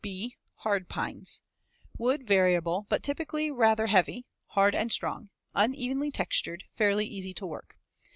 (b) Hard Pines. Wood variable but typically rather heavy, hard and strong, uneven textured, fairly easy to work.